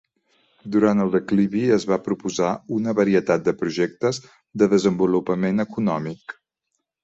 Durant el declivi es va proposar una varietat de projectes de desenvolupament econòmic.